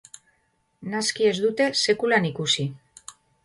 Naski ez dute sekulan ikusi.